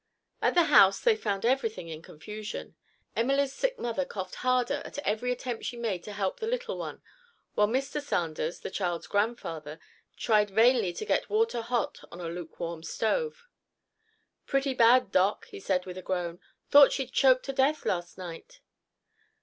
At the house they found everything in confusion. Emily's sick mother coughed harder at every attempt she made to help the little one, while Mr. Sanders, the child's grandfather, tried vainly to get water hot on a lukewarm stove. "Pretty bad, Doc," he said with a groan, "thought she'd choke to death last night."